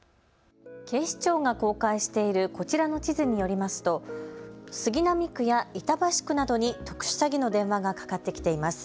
警視庁が公開しているこちらの地図によりますと杉並区や板橋区などに特殊詐欺の電話がかかってきています。